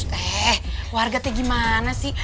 eh warga teh gimana sih